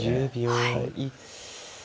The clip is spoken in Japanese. はい。